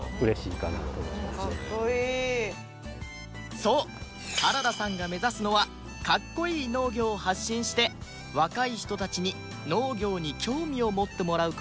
そう原田さんが目指すのはかっこいい農業を発信して若い人たちに農業に興味を持ってもらう事